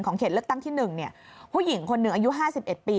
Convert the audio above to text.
เขตเลือกตั้งที่๑ผู้หญิงคนหนึ่งอายุ๕๑ปี